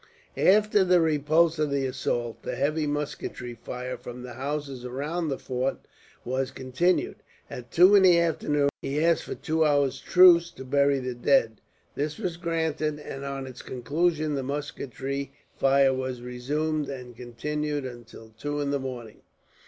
After the repulse of the assault, the heavy musketry fire from the houses around the fort was continued. At two in the afternoon he asked for two hours' truce, to bury the dead. This was granted, and on its conclusion the musketry fire was resumed, and continued until two in the morning.